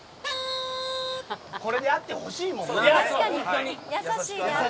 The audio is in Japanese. これであってほしいもんな。